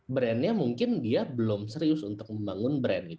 brand nya mungkin belum serius untuk membangun brand